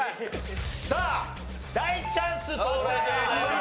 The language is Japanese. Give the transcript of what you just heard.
さあ大チャンス到来でございます。